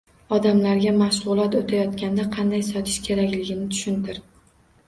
— Odamlarga mashgʻulot oʻtayotganda, qanday sotish kerakligini tushuntir